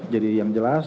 jadi yang jelas